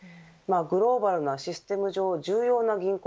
グローバルなシステム上重要な銀行